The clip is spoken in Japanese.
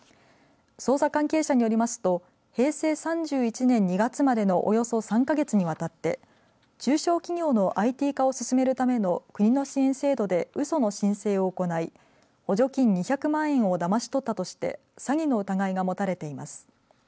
捜査関係者によりますと平成３１年２月までのおよそ３か月にわたって中小企業のＩＴ化を進めるための国の支援制度でうその申請を行い補助金２００万円をだまし取ったとして詐欺の疑いが持たれています。